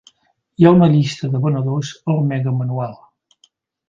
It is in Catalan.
Hi ha una llista de venedors al megamanual.